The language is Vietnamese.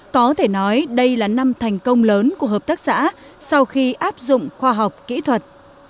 có thể nói đây là năm thành công lớn của hợp tác xã sau khi áp dụng khoa học kỹ thuật